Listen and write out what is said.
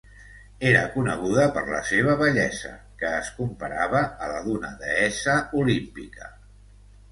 Era coneguda per la seva bellesa que es comparava a la d'una deessa olímpica.